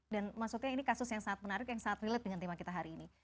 dan maksudnya ini kasus yang sangat menarik yang sangat relate dengan tema kita hari ini